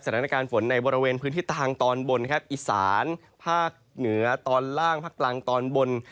สถานการณ์ฝนในบริเวณพื้นที่ทางตอนบนครับอีสานภาคเหนือตอนล่างภาคกลางตอนบน